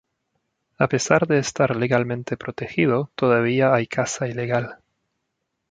A pesar de estar legalmente protegido todavía hay caza ilegal.